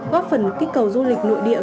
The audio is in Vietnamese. góp phần kích cầu du lịch nội địa